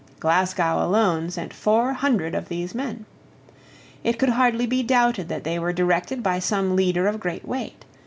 Glasgow alone sent four hundred of these men. It could hardly be doubted that they were directed by some leader of great weight.